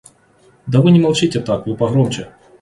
Да вы не молчите так, вы погромче!